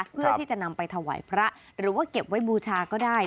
เพื่อที่จะนำไปถวายพระหรือว่าเก็บไว้บูชาก็ได้